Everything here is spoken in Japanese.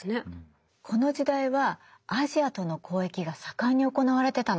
この時代はアジアとの交易が盛んに行われてたの。